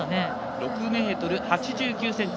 ６ｍ８９ｃｍ。